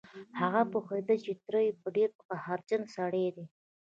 هغه پوهېده چې تره يې ډېر قهرجن سړی دی.